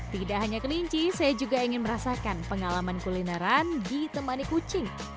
tidak hanya kelinci saya juga ingin merasakan pengalaman kulineran ditemani kucing